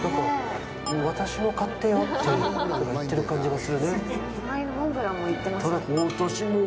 私も買ってよって言ってる感じがするね。